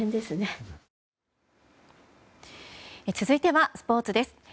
続いてはスポーツです。